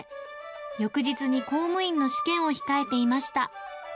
翌日に公務員の試験を控えていました。